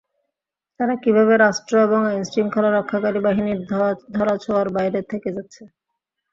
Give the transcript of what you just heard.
তারা কীভাবে রাষ্ট্র ও আইনশৃঙ্খলা রক্ষাকারী বাহিনীর ধরাছোঁয়ার বাইরে থেকে যাচ্ছে?